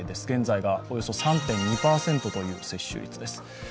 現在がおよそ３．２％という接種率です。